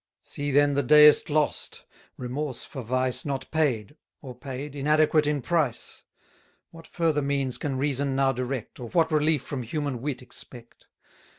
See then the Deist lost: remorse for vice Not paid; or paid, inadequate in price: What further means can reason now direct, Or what relief from human wit expect?